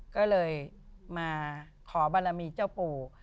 ก็เลยมาขอบารมีเจ้าปู่